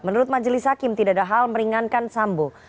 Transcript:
menurut majelis hakim tidak ada hal meringankan sambo